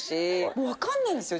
もうわかんないんですよ